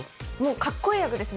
かっこいい役ですね